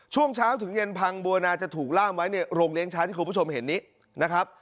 ช่วงเช้าถึงเย็นพังบัวนาจะถูกล่ามไว้ในโรงเลี้ยช้าที่คุณผู้ชมเห็นนี้นะครับ